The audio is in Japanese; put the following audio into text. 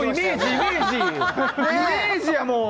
イメージやもん！